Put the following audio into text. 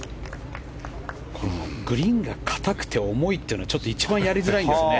グリーンが硬くて重いのがちょっと一番やりづらいですね